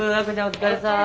お疲れさん。